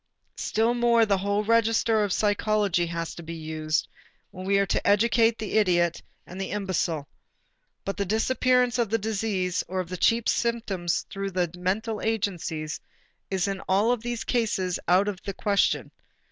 Still more the whole register of psychology has to be used, when we are to educate the idiot and the imbecile. But the disappearance of the disease or of the chief symptoms through the mental agencies is in all these cases out of the question.